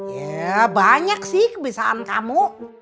ya banyak sih kebisaan kamu